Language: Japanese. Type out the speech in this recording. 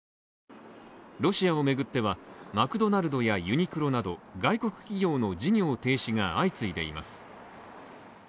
ロシアを巡っては、マクドナルドやユニクロなど外国企業の事業停止が相次いでいます。